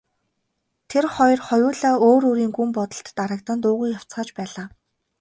Тэр хоёр хоёулаа өөр өөрийн гүн бодолд дарагдан дуугүй явцгааж байлаа.